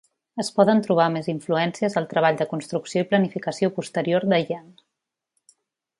Es poden trobar més influències al treball de construcció i planificació posterior de Yeang.